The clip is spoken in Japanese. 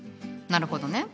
なるほどね。